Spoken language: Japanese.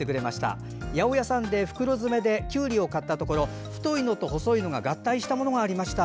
八百屋さんで袋詰めできゅうりを買ったところ太いのと細いのが合体したものがありました。